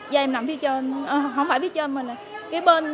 dây em nằm phía trên không phải phía trên mà là cái bên